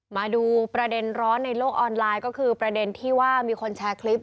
มาดูประเด็นร้อนในโลกออนไลน์ก็คือประเด็นที่ว่ามีคนแชร์คลิป